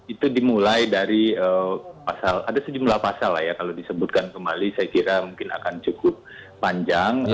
itu dimulai dari ada sejumlah pasal lah ya kalau disebutkan kembali saya kira mungkin akan cukup panjang